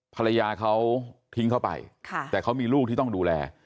ภรรยาเขาทิ้งเข้าไปแต่เขามีลูกที่ต้องดูแล